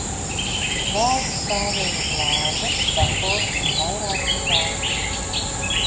Uz galda stāvēja glāze, dators un vairāki trauki.